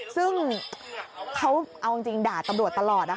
ซึ่งเขาเอาจริงด่าตำรวจตลอดนะคะ